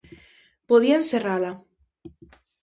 Podía encerrala.